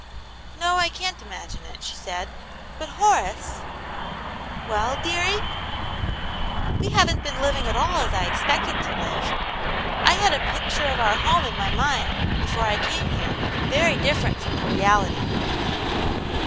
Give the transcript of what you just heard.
" "No, I can't imagine it," she said. "But Horace "" Well, dearie ?'•" We haven't been living at all as I expected to live. I had a picture of our home in my mind before I came here very different from the reality."